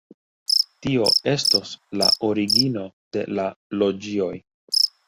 Tio estos la origino de la loĝioj.